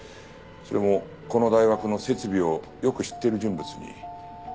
それもこの大学の設備をよく知ってる人物に。